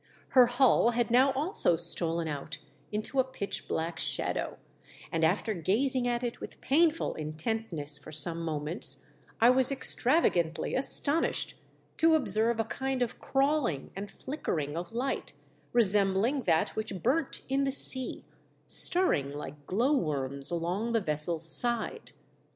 Her hull had now also stolen out into a pitch black shadow, and after gazing at it with painful intentness for some moments, I was extravagantly as tonished to observe a kind of crawling and flickering of light, resembling that which burnt in the sea, stirring like glow worms along the vessel's side.